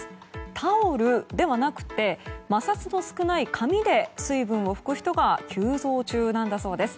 タオルではなくて摩擦の少ない紙で水分を拭く人が急増中なんだそうです。